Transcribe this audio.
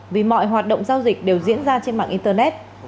vì mọi hoạt động giao dịch đều diễn ra trên mạng internet